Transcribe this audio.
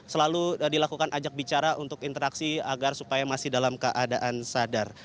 selalu dilakukan ajak bicara untuk interaksi agar supaya masih dalam keadaan sadar